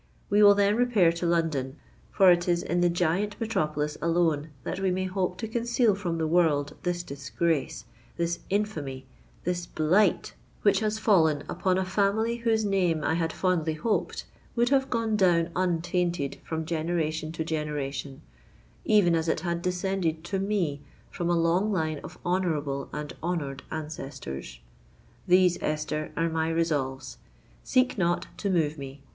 We will then repair to London; for it is in the giant metropolis alone that we may hope to conceal from the world this disgrace—this infamy—this blight which has fallen upon a family whose name, I had fondly hoped, would have gone down untainted from generation to generation—even as it had descended to me from a long line of honourable and honoured ancestors! These, Esther, are my resolves: seek not to move me.